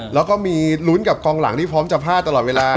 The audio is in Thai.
แล้วก็มีลุ้นกับกองหลังที่พร้อมจะพลาดตลอดเวลา